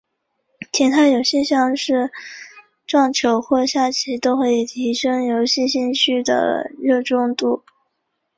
其他游戏像是撞球或下棋都可以提升游戏兴趣的热衷度。